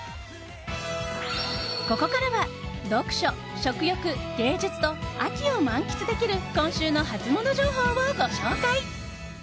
ここからは読書・食欲・芸術と秋を満喫できる今週のハツモノ情報をご紹介。